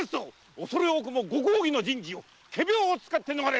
おそれ多くもご公儀の人事を仮病を使って逃れ